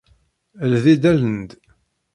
Ldi-d allen-d.